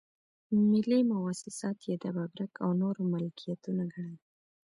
ملي مواسسات یې د ببرک او نورو ملکيتونه ګڼل.